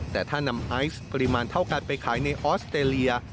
แต่ถ้านำไอซ์ปริมาณเท่ากันไปขายในออสเตรเลีย